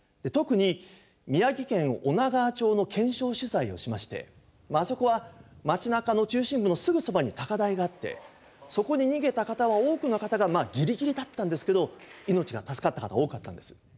特に宮城県女川町の検証取材をしましてあそこは町なかの中心部のすぐそばに高台があってそこに逃げた方は多くの方がギリギリだったんですけど命が助かった方多かったんです。